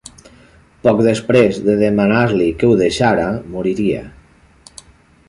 Poc després de demanar-li que ho deixara, moriria.